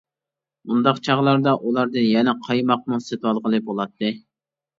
ئۇنداق چاغلاردا ئۇلاردىن يەنە قايماقمۇ سېتىۋالغىلى بولاتتى.